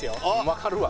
わかるわ。